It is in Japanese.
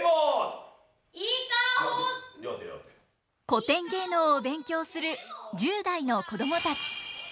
古典芸能を勉強する１０代の子供たち。